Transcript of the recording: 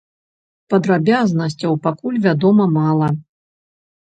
Падрабязнасцяў пакуль вядома мала.